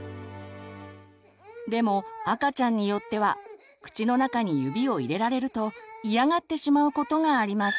でも赤ちゃんによっては口の中に指を入れられると嫌がってしまうことがあります。